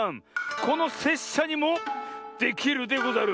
このせっしゃにもできるでござる。